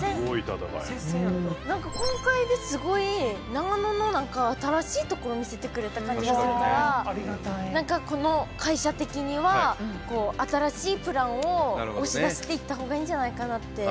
何か今回ですごい長野の新しいとこを見せてくれた感じがするから何かこの会社的には新しいプランを押し出していったほうがいいんじゃないかなって。